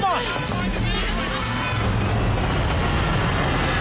おいで。